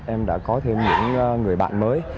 em đã có thêm những người bạn mới